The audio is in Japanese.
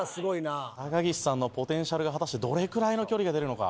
高岸さんのポテンシャルが果たしてどれくらいの距離が出るのか？